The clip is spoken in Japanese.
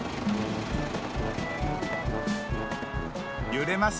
ゆれます